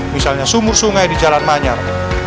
misalnya sumur sungai di jalan manyar